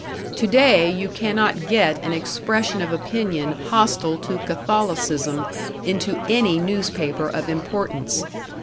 Today you cannot get an expression of opinion hostile to Catholicism into any newspaper of importance.